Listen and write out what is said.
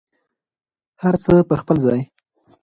هر څه په خپل ځای.